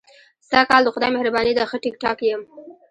سږ کال د خدای مهرباني ده، ښه ټیک ټاک یم.